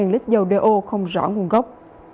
hai mươi lít dầu đeo không rõ nguồn gốc